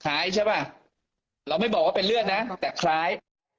คล้ายใช่ป่ะเราไม่บอกว่าเป็นเลือดนะแต่คล้าย